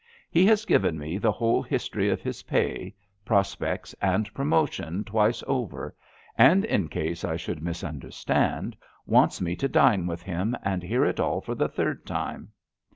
He has given me the whole history of his pay, prospects and promotion twice over, and in case I should misunderstand wants me to dine with him and hear it all for the third time.